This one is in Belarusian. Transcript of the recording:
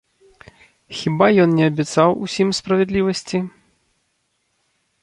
Хіба ён не абяцаў усім справядлівасці?